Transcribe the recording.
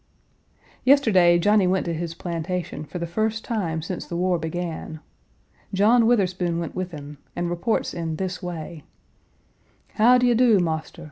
Yesterday, Johnny went to his plantation for the first time since the war began. John Witherspoon went with him, and reports in this way: "How do you do, Marster!